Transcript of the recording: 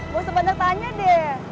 mau sebentar tanya deh